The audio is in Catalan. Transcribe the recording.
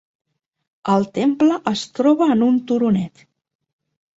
El temple es troba en un turonet.